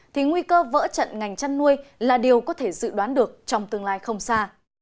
thì nguy cơ vỡ trận ngành chăn nuôi là điều có thể dự đoán được trong tương lai không xa